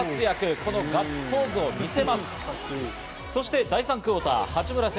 このガッツポーズを見せます。